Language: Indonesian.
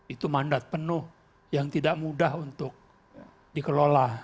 itu mandat penuh yang tidak mudah untuk dikelola